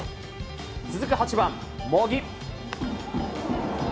続く８番、茂木。